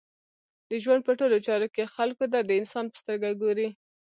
د ژوند په ټولو چارو کښي خلکو ته د انسان په سترګه ګورئ!